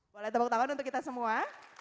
boleh tepuk tangan untuk kita semua